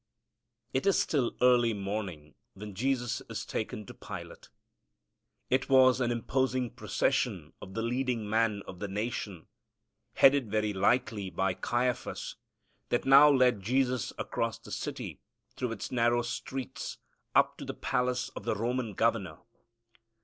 It is still early morning when Jesus is taken to Pilate. It was an imposing procession of the leading men of the nation, headed very likely by Caiaphas, that now led Jesus across the city, through its narrow streets, up to the palace of the Roman governor.